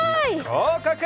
ごうかく！